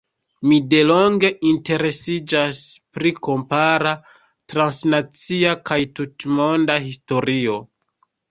Mi delonge interesiĝas pri kompara, transnacia kaj tutmonda historio.